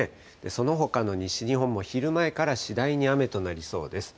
そのほかの西日本も昼前から次第に雨となりそうです。